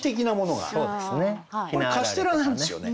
これカステラなんですよね。